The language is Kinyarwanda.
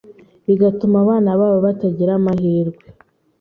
bigatuma abana babo batagira amahirwe